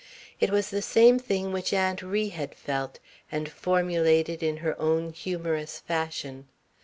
It was the same thing which Aunt Ri had felt, and formulated in her own humorous fashion.